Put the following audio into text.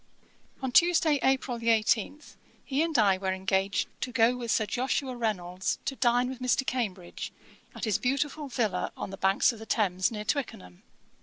On Tuesday, April 18, he and I were engaged to go with Sir Joshua Reynolds to dine with Mr. Cambridge, at his beautiful villa on the banks of the Thames, near Twickenham.